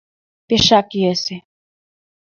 Пешак йӧсӧ...